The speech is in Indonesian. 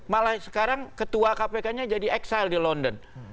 malah sekarang ketua kpk nya jadi eksil di london